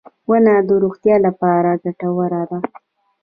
• ونه د روغتیا لپاره ګټوره ده.